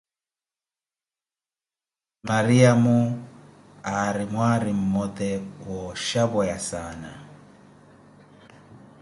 Maryamo aari mwaari mmote, wooshapweya saana